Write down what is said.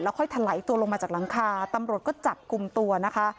ค่อยถลายตัวลงมาจากหลังคาตำรวจก็จับกลุ่มตัวนะคะ